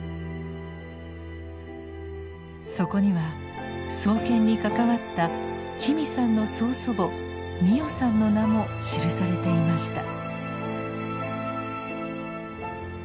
そこには創建に関わった紀美さんの曽祖母ミヨさんの名も記されていました。